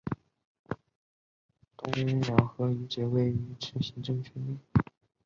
东两河遗址位于此行政区内。